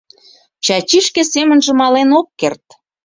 Чачи шке семынже мален ок керт...